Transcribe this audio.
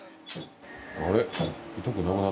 あれ？